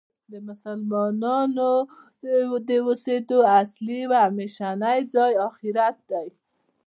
د مسلمانانو د اوسیدو اصلی او همیشنی ځای آخرت دی .